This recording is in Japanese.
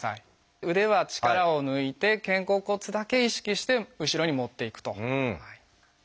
腕は力を抜いて肩甲骨だけ意識して後ろに持っていくと。